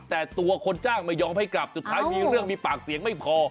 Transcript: แต่ตัวคนจ้างไม่ยอมให้กลับสุดท้ายมีเรื่องมีปากเสียงไม่พอ